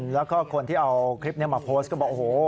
แล้วก็คนที่เอาคลิปนี้มาโพสต์ก็บอกโอ้โห